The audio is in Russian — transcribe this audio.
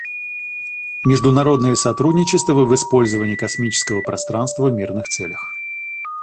Международное сотрудничество в использовании космического пространства в мирных целях.